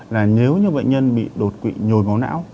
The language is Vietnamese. là nếu như bệnh nhân bị đột quỵ nhồi máu não